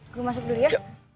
gue masuk dulu ya